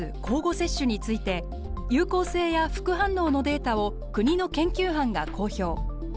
交互接種について有効性や副反応のデータを国の研究班が公表。